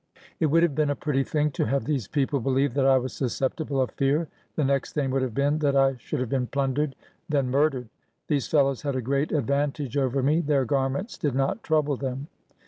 It would have been a pretty thing to have these people beheve that I was susceptible of fear. The next thing would have been that I should have been plundered, then murdered. These fellows had a great advantage over me. Their garments did not trouble them.